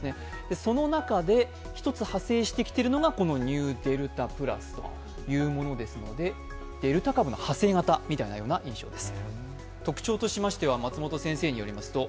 その中で一つ派生してきているのがニューデルタプラスというものですのでデルタ株の派生型のような印象です。